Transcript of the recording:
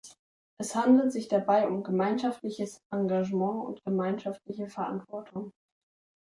Es handelt sich dabei um gemeinschaftliches Engagement und gemeinschaftliche Verantwortung.